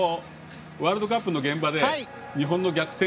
播戸君、ワールドカップの現場で日本の逆転